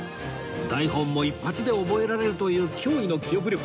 台本も一発で覚えられるという驚異の記憶力